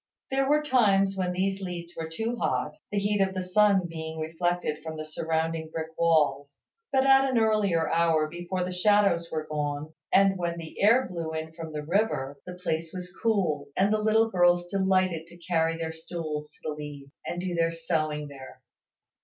There were times when these leads were too hot, the heat of the sun being reflected from the surrounding brick walls; but at an earlier hour before the shadows were gone, and when the air blew in from the river, the place was cool, and the little girls delighted to carry their stools to the leads, and do their sewing there.